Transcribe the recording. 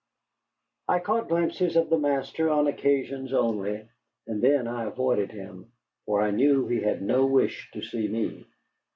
I caught glimpses of the master on occasions only, and then I avoided him; for I knew he had no wish to see me.